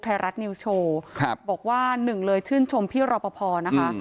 ไทยรัฐนิวส์โชว์บอกว่าหนึ่งเลยชื่นชมพี่รอปภนะคะ